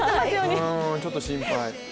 ちょっと心配。